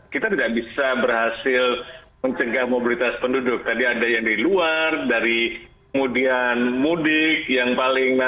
karena itu baru ditemukan